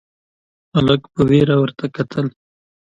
هلک په وېره ورته کتل: